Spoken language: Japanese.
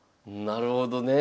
なるほどね。